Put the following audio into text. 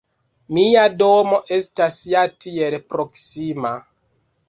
Mia domo estas ja tiel proksima!